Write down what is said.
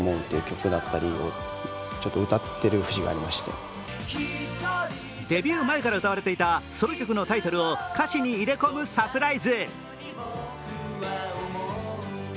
そんな新曲には、ある秘密がデビュー前から歌われていたソロ曲のタイトルを歌詞に入れ込むサプライズ。